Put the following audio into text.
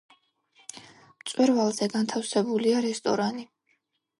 მწვერვალზე განთავსებულია რესტორანი.